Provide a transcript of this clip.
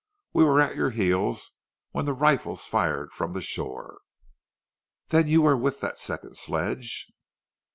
We were at your heels when the rifles fired from the shore " "Then you were with that second sledge?"